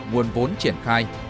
nguồn vốn triển khai